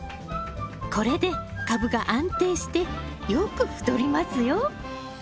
これで株が安定してよく太りますよ。